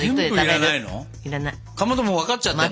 かまどもう分かっちゃってるの？